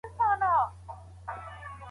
ډاکټران پاراسټامول توصیه نه کوي.